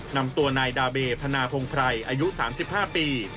นายดาเบธนาพงภัยอายุ๓๕ปี